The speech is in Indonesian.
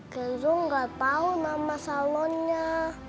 kenzo gak tau nama salonnya